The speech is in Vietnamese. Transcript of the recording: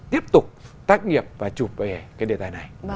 tiếp tục tác nghiệp và chụp về cái đề tài này